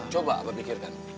coba abah pikirkan